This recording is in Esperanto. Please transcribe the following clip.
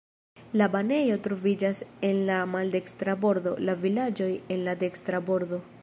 La banejo troviĝas en la maldekstra bordo, la vilaĝoj en la dekstra bordo.